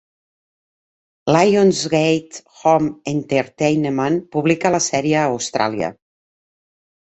Lionsgate Home Entertainment publica la sèrie a Austràlia.